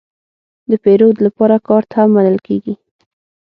د پیرود لپاره کارت هم منل کېږي.